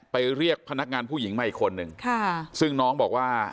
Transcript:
เรียกพนักงานผู้หญิงมาอีกคนนึงค่ะซึ่งน้องบอกว่า